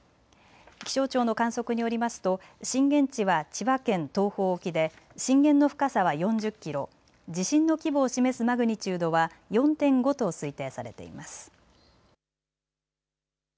気象庁の観測によりますと震源地は千葉県東方沖で震源の深さは４０キロ、地震の規模を示すマグニチュードは４．５と推定されています。